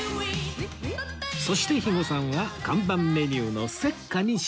そして肥後さんは看板メニューの雪華にしました